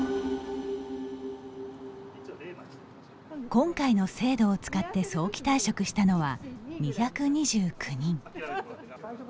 今回の制度を使って早期退職したのは２２９人。